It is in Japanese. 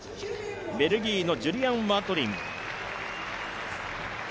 ベルギーのジュリアン・ワトリン。